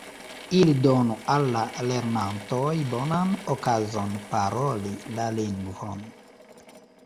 Ili donu al la lernantoj bonan okazon paroli la lingvon.